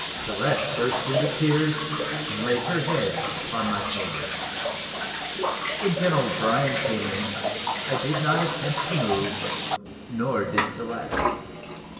Celeste burst into tears, and laid her head upon my shoulder. When General O'Brien came in, I did not attempt to move, nor did Celeste.